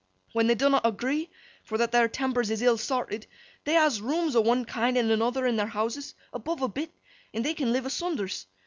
When they dunnot agree, for that their tempers is ill sorted, they has rooms o' one kind an' another in their houses, above a bit, and they can live asunders.